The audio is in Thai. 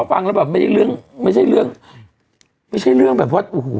ฟังแล้วแบบไม่ได้เรื่องไม่ใช่เรื่องไม่ใช่เรื่องแบบว่าโอ้โห